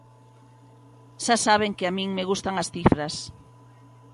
Xa saben que a min me gustan as cifras.